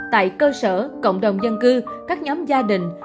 tại cơ sở cộng đồng dân cư các nhóm gia đình